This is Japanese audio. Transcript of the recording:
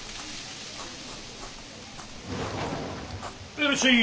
いらっしゃい。